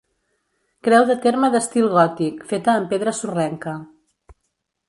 Creu de terme d'estil gòtic feta en pedra sorrenca.